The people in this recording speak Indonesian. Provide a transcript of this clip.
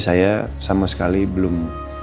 saya sama sekali belum